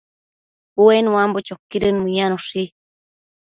Ue nuambo choquidën mëyanoshi